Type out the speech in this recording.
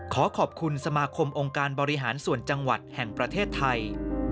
ขอขอบคุณสมาคมองค์การบริหารส่วนจังหวัดแห่งประเทศไทย